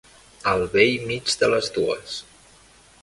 Al bell mig de les dues.